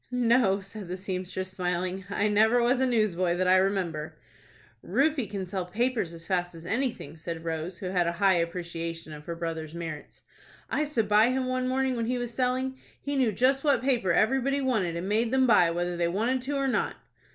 "No," said the seamstress, smiling. "I never was a newsboy that I remember." "Rufie can sell papers as fast as anything," said Rose, who had a high appreciation of her brother's merits. "I stood by him one morning when he was selling. He knew just what paper everybody wanted, and made them buy, whether they wanted to or not."